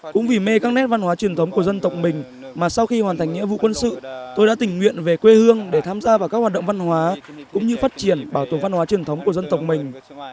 cũng vì mê các nét văn hóa truyền thống của dân tộc mình mà sau khi hoàn thành nghĩa vụ quân sự tôi đã tình nguyện về quê hương để tham gia vào các hoạt động văn hóa cũng như phát triển bảo tồn văn hóa truyền thống của dân tộc mình